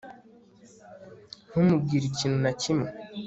Ntumbwire ikintu na kimwe